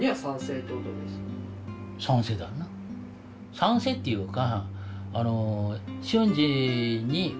賛成っていうか。